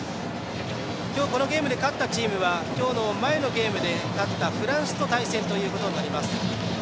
今日このゲームで勝ったチームは前のゲームで勝ったフランスと対戦ということになります。